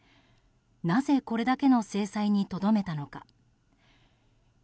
なぜこれだけの制裁にとどめたのか。